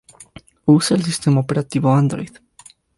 Usa el sistema operativo Android.